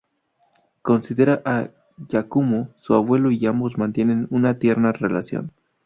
Considera a Yakumo su abuelo y ambos mantienen una tierna relación.